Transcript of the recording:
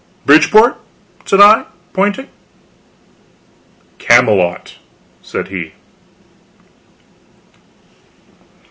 "Bridgeport?" said I, pointing. "Camelot," said he.